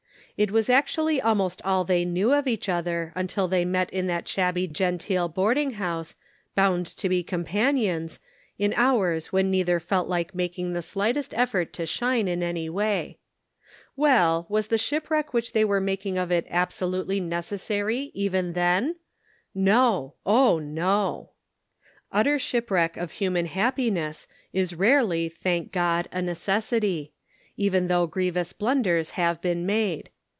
It was actually almost all they knew of each other until they met in that shabby genteel boarding house, bound to be companions, in hours when neither felt like making the slight est effort to shine in any way. Well, was the ship wreck which they were making of it absolutely neccessary even then ? No ; oh, no !" Utter shipwreck of human happiness is rarely, thank God, a necessity; even though grievous blunders have been made.